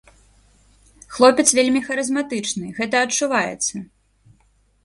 Хлопец вельмі харызматычны, гэта адчуваецца!